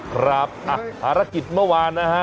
ครับภารกิจเมื่อวานนะฮะ